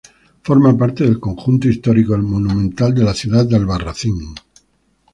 Forma parte del Conjunto Histórico-Monumental de la Ciudad de Albarracín.